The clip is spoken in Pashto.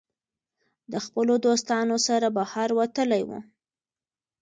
د خپلو دوستانو سره بهر وتلی وو